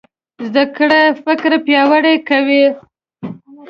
زده کړه فکر پیاوړی کوي.